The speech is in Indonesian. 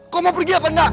kau mau pergi atau tidak